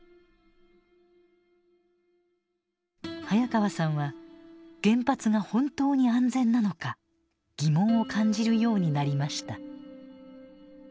早川さんは原発が本当に安全なのか疑問を感じるようになりました。